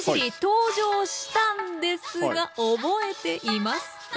登場したんですが覚えていますか？